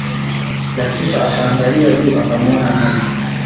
Latifa akaangalia juu akamwona nyoka.